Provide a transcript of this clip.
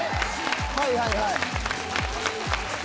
はいはいはい。